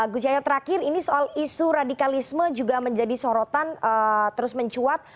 gus yahya terakhir ini soal isu radikalisme juga menjadi sorotan terus mencuat